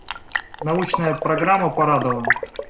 Научная программа порадовала.